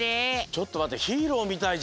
ちょっとまって。